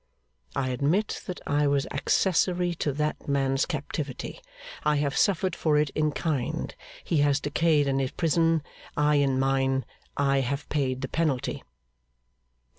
'I admit that I was accessory to that man's captivity. I have suffered for it in kind. He has decayed in his prison: I in mine. I have paid the penalty.